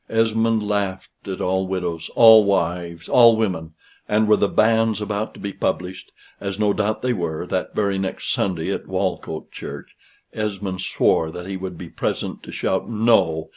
Esmond laughed at all widows, all wives, all women; and were the banns about to be published, as no doubt they were, that very next Sunday at Walcote Church, Esmond swore that he would be present to shout No!